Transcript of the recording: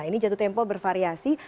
ini jatuh tempo bervariasi